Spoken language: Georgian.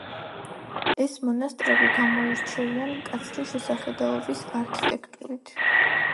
ეს მონასტრები გამოირჩევიან მკაცრი შესახედაობის არქიტექტურით.